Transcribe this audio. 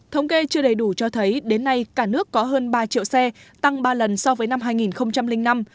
thống kê chưa đầy đủ cho thấy đến nay cả nước có hơn ba triệu xe tăng ba lần so với năm hai nghìn năm